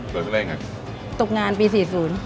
เปิดได้ยังไงตกงานปีสี่ศูนย์